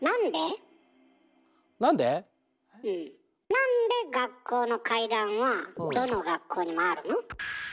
なんで学校の怪談はどの学校にもあるの？